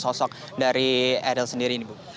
soal sosok dari eril sendiri ibu